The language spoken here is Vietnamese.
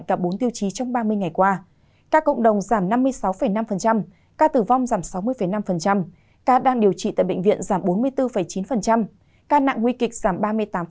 các cộng đồng giảm năm mươi sáu năm ca tử vong giảm sáu mươi năm ca đang điều trị tại bệnh viện giảm bốn mươi bốn chín ca nặng nguy kịch giảm ba mươi tám sáu